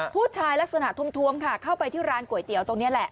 ลักษณะทุ่มค่ะเข้าไปที่ร้านก๋วยเตี๋ยวตรงนี้แหละ